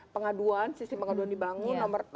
pengaduan sisi pengaduan dibangun nomor